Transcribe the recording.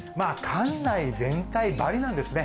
館内全体バリなんですね